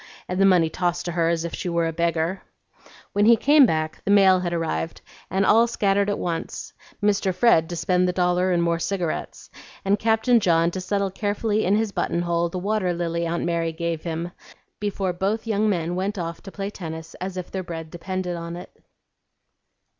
and the money tossed to her as if she were a beggar. When he came back the mail had arrived, and all scattered at once, Mr. Fred to spend the dollar in more cigarettes, and Captain John to settle carefully in his button hole the water lily Aunt Mary gave him, before both young men went off to play tennis as if their bread depended on it.